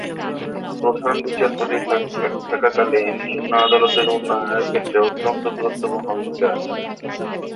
প্রধান বিচারপতি থাকাকালে নিম্ন আদালতের উন্নয়নের ক্ষেত্রে অত্যন্ত গুরুত্বপূর্ণ ভূমিকা রাখেন।